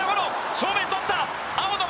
正面、捕った！